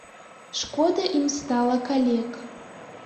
Шкода ім стала калек.